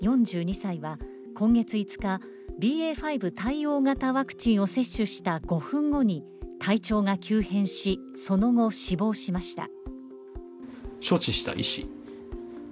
４２歳は今月５日、ＢＡ．５対応型ワクチンを接種した５分後に体調が急変しその後、死亡しました。